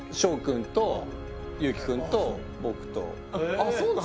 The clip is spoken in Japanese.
あっそうなの！？